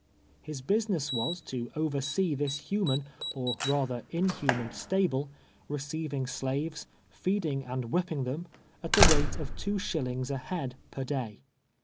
J lis l)usiness was, to oversee this human, or rather inhuman stahle, receiving slaves, feeding and whii)ping them, at the rate of two shillings a liead l)er day.